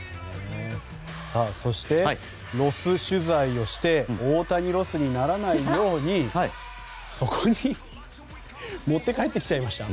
そしてロス取材をして大谷ロスにならないようにそこに持って帰ってきちゃいました。